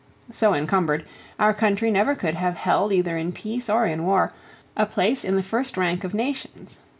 So encumbered, our country never could have held, either in peace or in war, a place in the first rank of nations.